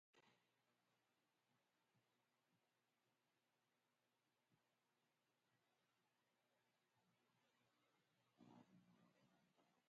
The fear of Russia finally resulted in a German occupation of the islands.